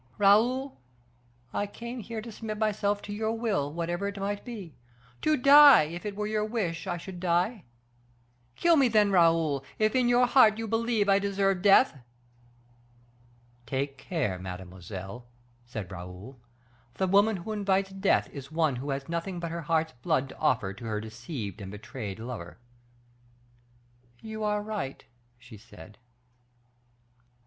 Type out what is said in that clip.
Raoul, I came here to submit myself to your will, whatever it might be to die, if it were your wish I should die. Kill me, then, Raoul! if in your heart you believe I deserve death." "Take care, mademoiselle," said Raoul: "the woman who invites death is one who has nothing but her heart's blood to offer to her deceived and betrayed lover." "You are right," she said.